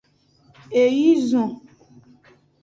Eo yi zon.